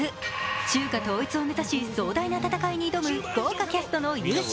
中華統一を目指し壮大な戦いに挑む豪華キャストの雄姿。